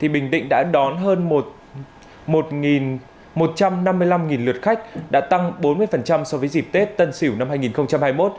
bình định đã đón hơn một một trăm năm mươi năm lượt khách đã tăng bốn mươi so với dịp tết tân sỉu năm hai nghìn hai mươi một